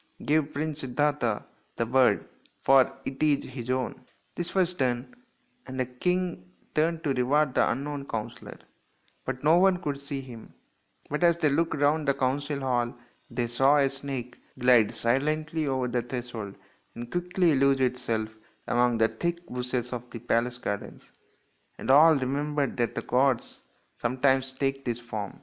Give Prince Siddartha the bird, for it is his own." This was done, and the king turned to reward the unknown counsellor, but no one could see him ; but as they looked round the council hall they saw a snake glide silently over the threshold and quickly lose itself among the thick bushes of the palace garden; and all remembered that the gods sometimes take this form.